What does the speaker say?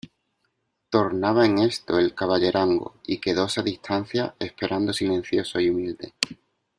tornaba en esto el caballerango, y quedóse a distancia esperando silencioso y humilde.